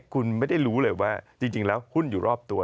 คุณไม่ได้รู้เลยว่าจริงแล้วหุ้นอยู่รอบตัว